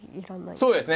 そうですね。